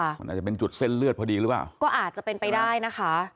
มันอาจจะเป็นจุดเส้นเลือดพอดีหรือเปล่าก็อาจจะเป็นไปได้นะคะ